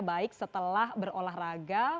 baik setelah berolahraga